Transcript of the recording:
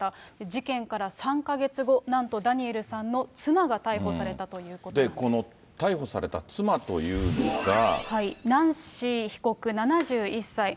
事件から３か月後、なんと、ダニエルさんの妻が逮捕されたというで、この逮捕された妻というナンシー被告７１歳。